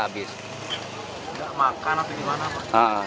tapi dimana pak